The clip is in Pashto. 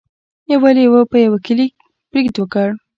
یو لیوه په یوه کلي برید وکړ.